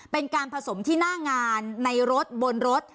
เป็นการผสมที่หน้างานในรถบนรถ